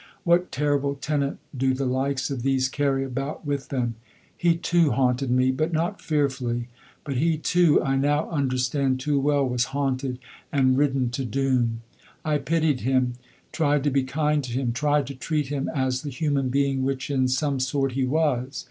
What terrible tenant do the likes of these carry about with them! He, too, haunted me, but not fearfully; but he, too, I now understand too well, was haunted and ridden to doom. I pitied him, tried to be kind to him, tried to treat him as the human thing which in some sort he was.